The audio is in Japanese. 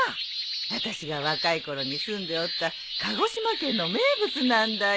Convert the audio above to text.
私が若い頃に住んでおった鹿児島県の名物なんだよ。